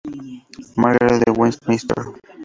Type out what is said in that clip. Margaret de Westminster.